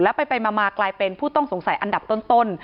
แล้วไปมากลายเป็นผู้ต้องสงสัยอันดับต้น